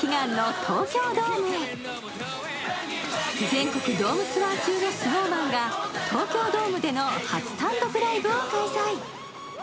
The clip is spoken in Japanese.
全国ドームツアー中のＳｎｏｗＭａｎが東京ドームでの初単独ライブを開催。